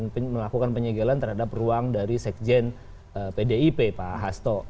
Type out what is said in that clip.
dan melakukan penyegelan terhadap ruang dari sekjen pdip pak hasto